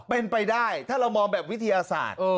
เป็นไปได้ถ้าเรามองแบบวิทยาศาสตร์